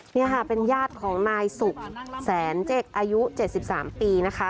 นี่ค่ะเป็นญาติของนายสุขแสนเจ็กอายุ๗๓ปีนะคะ